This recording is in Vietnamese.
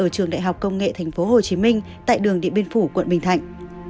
công an tp hcm tại đường điện biên phủ quận bình thạnh